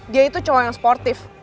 dia itu cuma yang sportif